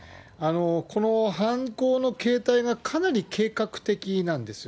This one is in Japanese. この犯行の形態がかなり計画的なんですよ。